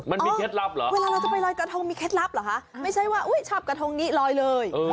เวลาเราจะไปลอยกระทงมีเคล็ดลับเหรอคะไม่ใช่ว่าชับกระทงนี้ลอยเลย